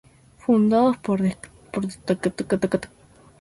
Fundados por destacadas personalidades de los ámbitos civil y eclesiástico, vr.